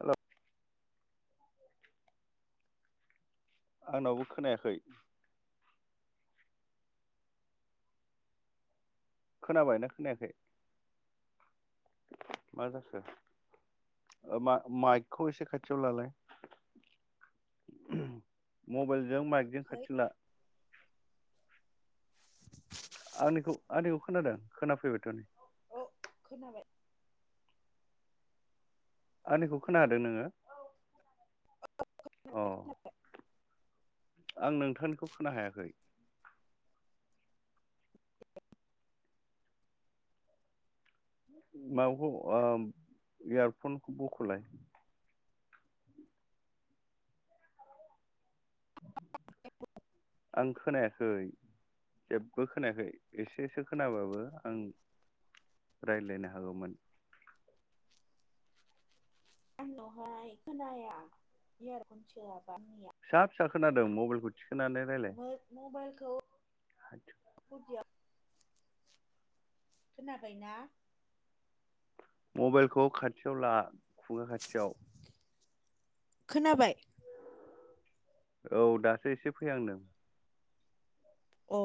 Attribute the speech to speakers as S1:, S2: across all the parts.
S1: Hello आंनावबो खोनायाखै। खोनाबायना खोनायाखै मा जाखो ओ मा माइकखौ एसे खाथियाव लालाय मबाइल जों माइकजों
S2: खै
S1: खाथियाव ला। आनिखौ खोनादों खोनाफैबायथ नै।
S2: औ खोनाबाय।
S1: आंनिखौ खोनादों नोङो? अ आं नोंथांनिखौ खोना हायाखै। माबाखौ ओ इयारफनखौ बखलाय। आं खोनायाखै जेबो खोनायाखै एसेसो खोनाबाबो आं रायजलायनो हागौमोन।
S2: आंनावहाय खोनाया इयारखन सोआबा।
S1: फिसा फिसा खोनादों मबाइलखौ थिखोनानै रायलाय
S2: मोथ मबाइलखौया खोनाबायना
S1: मबाइलखौ खाथियाव ला खुगा खाथियाव
S2: खोनाबाय
S1: औ दासो एसे फैहांदों
S2: अ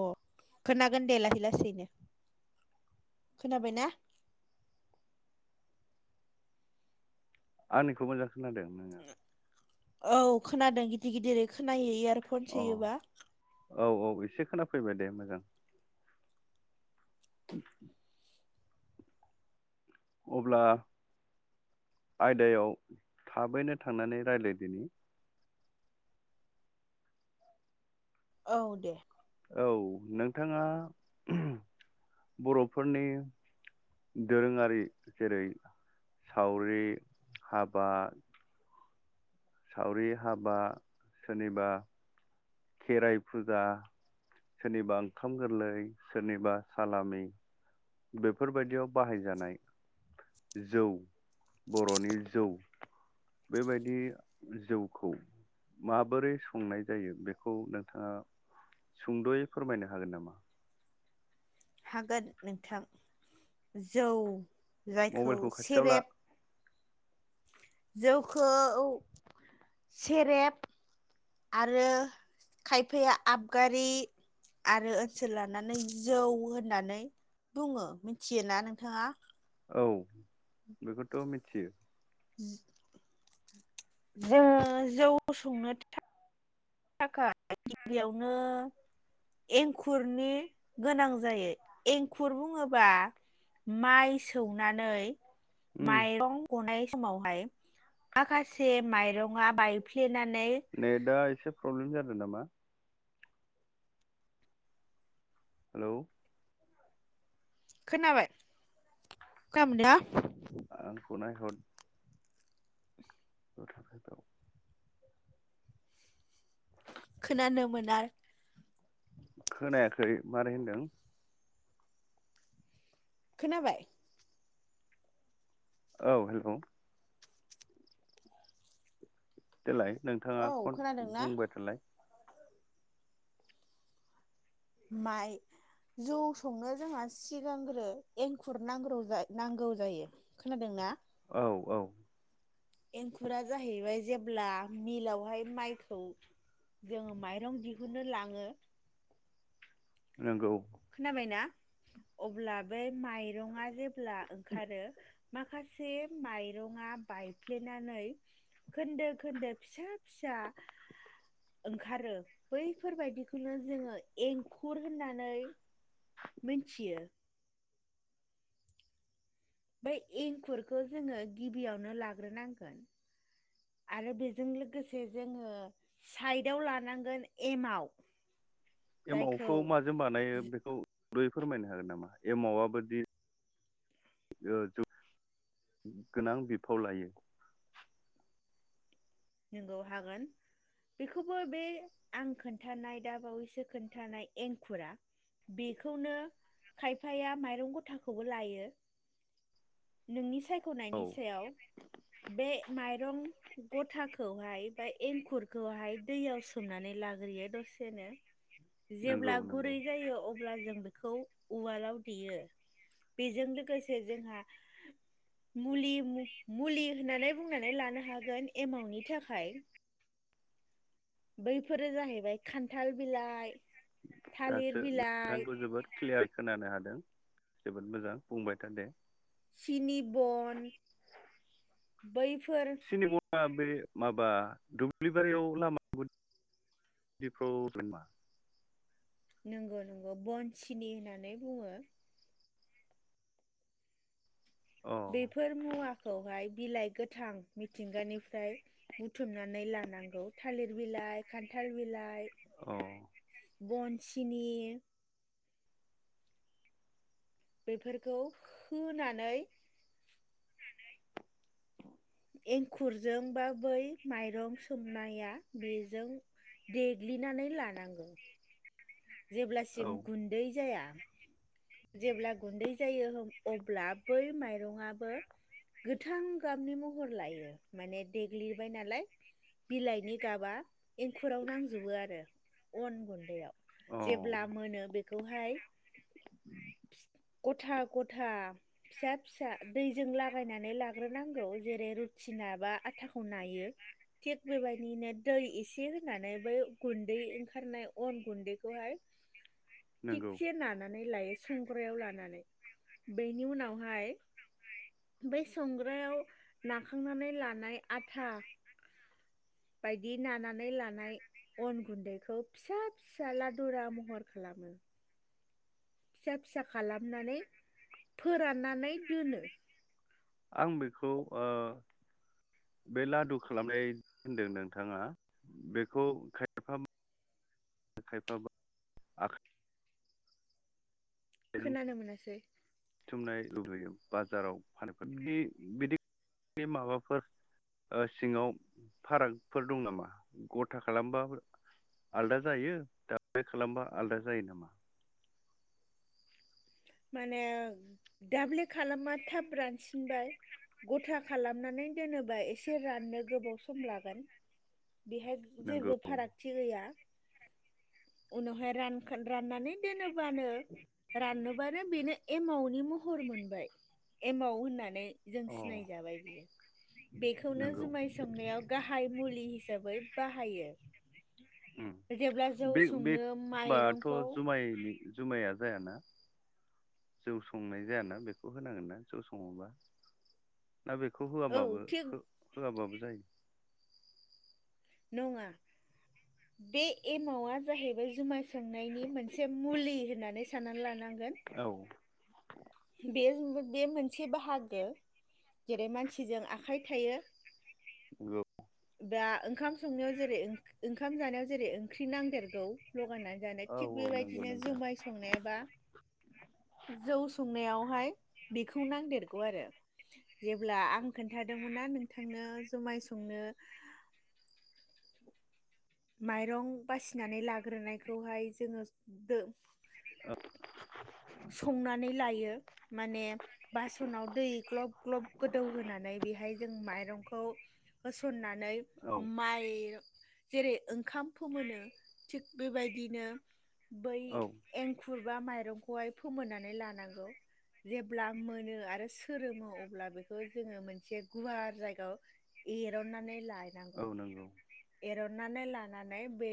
S2: खोनागोन दे लाहै लासैनो खोनाबाय ना
S1: आंनिखौ मोजां खोनादों नोङो
S2: औ खोनादों गिदिर गिदिर खोनायो इयार फन
S1: अ
S2: सोयोबा
S1: औ औ एसे खोनाफैबाय दे मोजां [inaudible] अब्ला आयदायाव थाबैनो थांनानै रायलायदिनि
S2: औ दे
S1: औ नोंथाङा बरफोरनि दोरोङारि जेरै सावरि हाबा सावरि हाबा सोरनिबा खेराइ फुजा सोरनिबा ओंखाम गोरलै सोरनिबा सालामि बेफोरबायदियाव बाहायजानाय जौ बर'नि जौ बेबायदि जौखौ माबोरै संनाय जायो बेखौ नोंथाङा सुंद'यै फोरमायनो हागोन नामा
S2: हागोन नोंथां जौ जायखौ
S1: मबाइलखौ खाथियाव ला
S2: सेरेब जौखौ सेरेब आरो खायफाया आबगारि आरो ओनसोल लानानै जौ होननानै बुङो मिथियोना नोंथाङा
S1: औ बेखौथ' मिथियो
S2: उम जोङो जौ संनो थाखाय गिबियावनो एंखुरनि गोनां जायो एंखुर बुङोबा माइ सौनानै
S1: उम
S2: माइरं गनाय समावहाय मा से माइरङा बायफ्लेनानै
S1: आरो नामा हेल'
S2: खोनाबाय हेल
S1: औ फ नायहथ गथ'फोरखौ
S2: खोनानो मोना
S1: खोनायाखै मारै होनदों
S2: खोनाबाय
S1: औ हेल' देलाय
S2: औ
S1: नोंथाङा खन
S2: खोनादोंना
S1: बुंबाय थालाय
S2: माइ जौ संनो जोंहा सिगांग्रो एंखुर नांग्रो नांगौ जायो खोनादों ना
S1: औ औ
S2: एंखुरा जाहैबाय जेब्ला मिलावहाय माइखौ जोङो माइरं दिहुनो लाङो
S1: नंगौ
S2: खोनाबायना अब्ला बे माइरङा जे ब्ला ओंखारो माखासे माइरङआ बायफ्लेनानै खोन्दो खोन्दो फिसा फिसा ओंखारो बैफोरबायदिखौनो जोङो एंखुर होननानै मोनथियो बेै एंखुरखौ जोङो गिबियावनो लाग्रोनांगोन आरो बेजों लोगोसे जोङो साइदआव लानांगोन एमाव जायखौ
S1: एमावखौ माजों बानायो बेखौ फोरमायनो हागोन नामा एमाव बोदि गोनां बिफाव लायो
S2: नोंगौ हागोन बेखौबो बे आं खोन्थानाय दा बावैसो खोन्थानाय एंखुरा बेखौनो खायफाया माइरं गथाखौबो लायो नोंनि साय
S1: औ
S2: खनायनि सायाव बे माइ रं गथा खौहाय बा एंखुरखौहाय दैयाव सोमनानै लाग्रोयो दसेनो
S1: नंगौ
S2: जेब्ला
S1: नंगौ
S2: गुरै जायो अब्ला जोंङो उवालाव देयो बेजों लोगोसे जोंहा मुलि होननानै बुंनानै लानो हागोन एमावनि थाखाय बैफोरो जाहैबाय खान्थाल बिलाइ थालिर
S1: दासो
S2: बिलाइ
S1: नोंथांखौ जोबोद क्लियार खोनानो हादों जोबोद मोजां बुंबाय था दे
S2: सिनि बन बै फोर
S1: सिनेमा बे माबा दुब्लि बारियाव लामा [unintelligible]
S2: नंगौ नंगौ बनसिनि होननानै बुङो
S1: अ
S2: बेफोर मुवाखौहाय बिलाइ गोथां मिथिंगानिफ्राय बुथुमनानै लानांगौ थालिर बिलाइ खान्थाल बिलाइ
S1: औ
S2: बनसिनि बेफोरखौ होनानै एंखुरजोंबा बै माइरं सोमनाया बेजों देग्लिनानै लानांगौ
S1: औ
S2: जेब्लासिम गुन्दै जाया जेब्ला गुन्दै जायो अब्ला बै माइरंआबो गोथां गाबनि महर लायो माने देग्लिबाय नालाय बिलाइनि गाबा एंखुराव नांजोबो आरो अन गुन्दैयाव
S1: औ
S2: जेब्ला मोनो बे बे खौहाय गथा गथा फिसा फिसा दैजों लागायनानै लाग्रोनांगौ जेरै रुथि नाबा आथाखौ नायो थिक बेबायदिनो दै एसे होनानै बै गुन्दै ओंखारनाय अन गुन्दैखौहाय
S1: नंगौ
S2: थिगसे नानानै लायो संग्रायाव लानानै बेनि उनावहाय बै संग्रायाव नाखांनानै लानाय आथा बायदि नानानै लानाय अन गुन्दैखौ फिसा फिसा लादुरा महर खालामो फिसा फिसा खालामनानै फोराननानै दोनो
S1: आं बेखौ ओ बे लादु खालामनाय होनदों नोंथाङा बेखौ खायफा खायफाबा आखाइ
S2: खोनानो मोनासै
S1: बुथुमनाय लुबैयो बाजाराव फफोर बि बिदि माबाफोर सिङाव फारागफोर दं नामा गथा खालामबा आलादा जायो दाब खालामबा आलादा जायो नामा?
S2: माने दाब्ले खालामबा थाब रानसिनबाय गथा खालामनानै दोनोबा एसे राननो गोबाव सम लागोन। बेहाय
S1: नंगौ
S2: जेबो फारागथि गैया उनावहाय रानखोन राननानै दोनो बानो रान बेनो एमाव अ'नि महर मोनबाय एमाव होननानै जों
S1: अ
S2: सिनायजाबाय बेखौनो
S1: नंगौ
S2: जुमाय संनायाव गाहाय मुलि हिसाबै बाहायो।
S1: ओम
S2: जेब्ला जौ संनो
S1: बे-बे-बाथ'
S2: माइरंखौ
S1: जुमाय जुमाया जायाना? जौ संनाय जायाना बेखौ होनांगोन ना जौ सङोबा ना बेखौ
S2: औ
S1: होआबाबो
S2: थिग
S1: हो होआबाबो जायो
S2: [unintelligible] बे एमावा जाहैबाय जुमाय सोंनायनि मोन से मुलि होननानै सानना लानां
S1: औ
S2: बे बे मोनसे बाहागो जेरै मानसिजों आखाय थायो
S1: नंगौ
S2: दा ओंखाम संनायाव जेरै ओं-ओंखाम जानायाव जेरै ओंख्रि नांदेरगौ लगायनानै जानो
S1: औ
S2: थिग
S1: नंगौ
S2: बेबायदिनो
S1: नोंथां
S2: जुमाय संनाय बा जौ संनायावहाय बेखौ नांदेरगौ आरो जेब्ला आं खोन्थादोंमोनना नोंथांनो जुमाय संनो माइरं बासिनानै लाग्रोनायखौहाय जोङो दो
S1: औ
S2: संनानै लायो माने बास'नाव दै ग्लब ग्लब गोदौहोनानै बेहाय जों माइरंखौ होसननानै
S1: औ
S2: माइ जेरै ओंखाम फोमोनो थिक बेबायदिनो बै
S1: औ
S2: एंखुर बा माइरं खौहाय फोमोननानै लानांगौ जेब्ला मोनो आरो सोरोमो अब्ला बेखौ जोङो मोनसे गुवार जायगाव एरननानै ला
S1: औ नंगौ
S2: एरननानै लानानै बे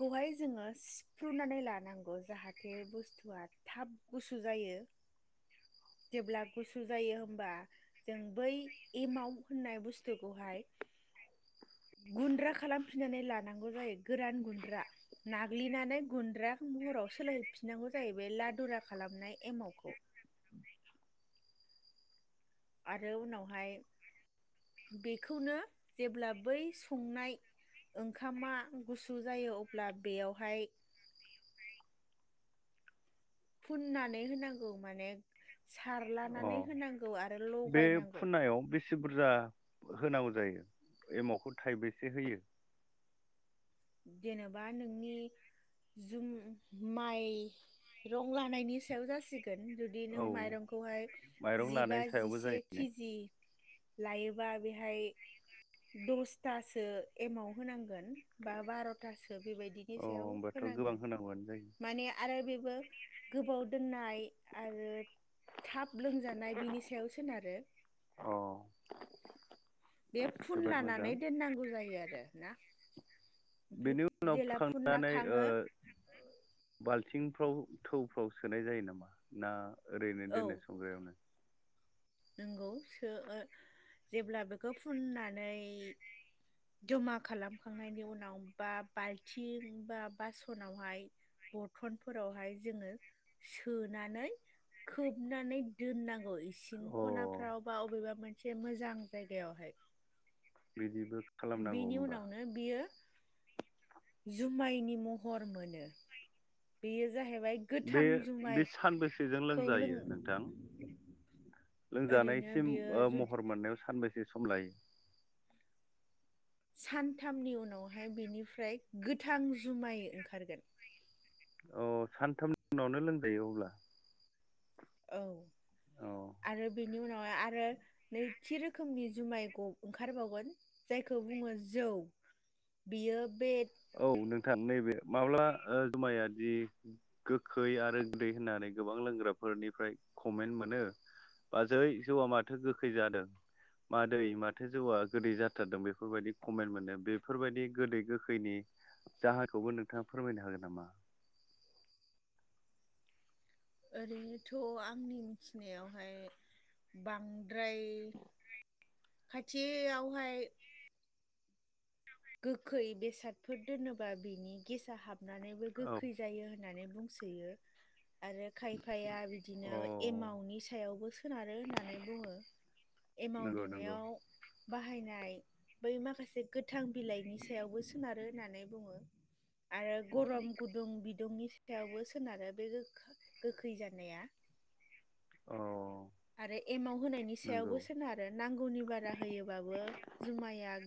S2: खौहाय जोङो सिफ्रुनानै लानांगौ जाहाथे बुस्थुआ थाब गुसु जायो जेब्ला गुसु जायो होमबा जों बै एमाव होननाय बुस्थुखौहाय गुन्द्रा खालामफिननानै लानांगौ जायो गोरान गुन्द्रा नाग्लिनानै गुन्द्रा महराव सोलायहैफिनांगौ जायो लादुरा खालामनाय एमावखौ आरो उनावहाय बेखौनो जेब्ला बै संनाय ओंखामा गुसु जायो अब्ला बेयावहाय फुननानै होनांगौ माने
S1: अ
S2: सारलानानै होनांगौ आरो लगायनांगौ।
S1: से बुरजा होनांगौ जायो एमावखौ थाइबेसे होयो।
S2: जेनेबा नोंनि जुम माइ रं लानायनि सायाव जासि गोन जुदि नों
S1: औ
S2: माइरंखौहाय
S1: माइरं
S2: जिबा
S1: लानायनि सायावबो
S2: जिसे
S1: जायो
S2: खेजि लायोबा बेहाय दसथासो एमाव होनांगोन। बा बार'थासो बेबायदिनि
S1: अ
S2: सायाव
S1: होमबाथ' गोबां
S2: होनांगोन
S1: होनांगौआनो जायो
S2: माने आरो बेबो गोबाव दोननाय आरो थाब लोंजानाय बिनि सायाव सोनारो
S1: अ
S2: बे फुन
S1: जोबोद मोजां
S2: लानानै दोननांगौ जायो आरो ना ओमफ्राय
S1: बेनि उनाव
S2: जेला फुनला
S1: फुखांनानै ओ
S2: खाङो
S1: बाल थिंफ्राव थौफ्राव सोनाय जायो नामा ना ओरैनो दोनो संग्रायावनो
S2: नोंगौ सो ओ जेब्ला बेखौ फुननानै जमा खालामखांनायनि उनाव बा बाल्थिं बा बास'नावहाय बरथनफोरावहाय जोङो सोनानै खोबनानै दोननां गौ इसिं
S1: अ
S2: वाव बा बबेबा मोनसे मोजां जायगायावहाय।
S1: बिदिबो खालामनांगौ
S2: बिनि
S1: होमबा
S2: उनावनो बियो जु मायनि महर मोनो। बेयो जाहैबाय
S1: बे
S2: गोथां
S1: बे
S2: जुमायखौ
S1: सानबेसेजों
S2: लों
S1: लोंजायो नोंथां?
S2: ओरैनो
S1: लोंजानायसिम
S2: बियो
S1: ओ
S2: जुदि
S1: महर मोननायाव सान बेसे सम लायो?
S2: सानथामनि उनावहाय बेनिफ्राय गोथां जुमाय ओंखारगोन।
S1: अ सानथाम उनावनो लोंजायो अब्ला।
S2: औ
S1: अ
S2: आरो बेनि उनाव आ आरो नैथि रोखोमनि जुमाइ ग' ओंखारबावगोन जायखौ बुङो जौ बियो बे
S1: औ नोंथां नैबे माब्ला ओ जुमाया दि गोखै आरो गोदै होननानै गोबां लोंग्राफोरनिफ्राय कमेन्ट मोनो। बाजै जौआ माथो गोखै जादों मादै माथो जौआ गोदै जाथारदों बेफोरबायदि कमेन्ट मोनो बेफोरबायदि गोदै गोखैनि जाहोनखौबो नोंथाङा फोरमायनो हागोन नामा?
S2: ओरैनोथ' आंनि मिथिनायावहाय बां द्राय खाथियावहाय गोखै बेसादफोर दोनोबा बिनि गेसा हाब नानैबो
S1: औ
S2: गोखै जायो होननानै बुंसोयो आरो खायफाया
S1: अ
S2: बिदिनो एमावनि सायावबो सोनारो होननानै बुङो। एमाव
S1: नंगौ नंगौ
S2: देनायाव बाहायनाय बै माखासे गोथां बिलाइनि सायावबो सोनारो होननानै बुङो। [inaudible] आरो गरम गुदुं बिद दुंनि सायावबो सोनारो बे गोखा गोखै जानाया।
S1: अ।
S2: आरो एमाव होनायनि
S1: नंगौ
S2: सायावबो सोनारो नांगौनि बारा होयोबाबो जुमाया